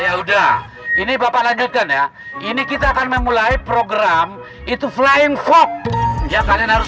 ya udah ini bapak lanjutkan ya ini kita akan memulai program itu flying fox ya kalian harus